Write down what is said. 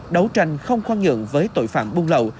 đấu tranh không khoan nhượng với tội phạm buôn lậu